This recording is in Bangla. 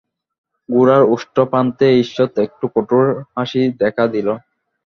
গোরার ওষ্ঠপ্রান্তে ঈষৎ একটু কঠোর হাসি দেখা দিল।